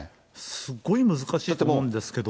すごい難しいと思うんですけども。